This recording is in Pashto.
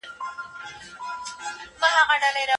که موږ په خپلو پښو ودرېږو نو پرمختګ کوو.